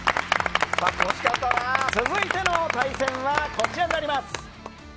続いての対戦はこちらになります。